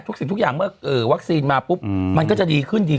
สิ่งทุกอย่างเมื่อวัคซีนมาปุ๊บมันก็จะดีขึ้นดี